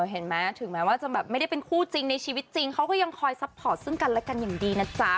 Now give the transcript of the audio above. เห็นไหมถึงแม้ว่าจะแบบไม่ได้เป็นคู่จริงในชีวิตจริงเขาก็ยังคอยซัพพอร์ตซึ่งกันและกันอย่างดีนะจ๊ะ